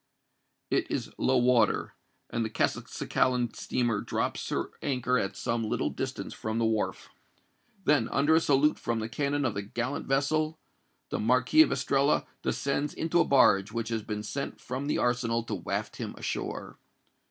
It is low water; and the Castelcicalan steamer drops her anchor at some little distance from the wharf. Then, under a salute from the cannon of the gallant vessel, the Marquis of Estella descends into a barge which has been sent from the arsenal to waft him ashore.